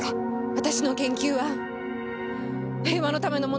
私の研究は平和のためのものです。